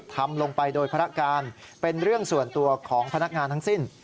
ทำลงไปโดยภารการเป็นเรื่องส่วนตัวของพนักงานทั้งสิ้น